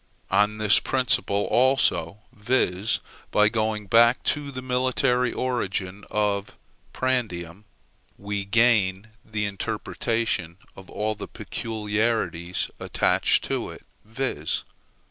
On this principle, also, viz. by going back to the military origin of prandium, we gain the interpretation of all the peculiarities attached to it; viz.